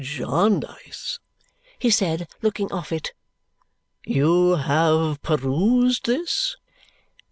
Jarndyce," he said, looking off it, "you have perused this?"